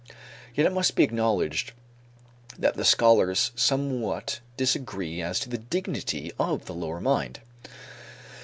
Yet it must be acknowledged that the scholars somewhat disagree as to the dignity of the lower mind.